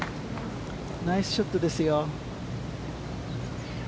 ナイスショットですよ。